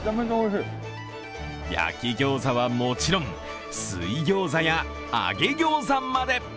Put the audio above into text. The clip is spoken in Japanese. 焼き餃子はもちろん水餃子や揚げ餃子まで。